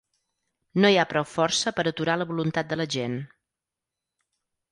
No hi ha prou força per aturar la voluntat de la gent.